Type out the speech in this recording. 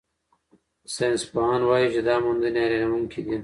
ساینسپوهان وايي چې دا موندنې حیرانوونکې دي.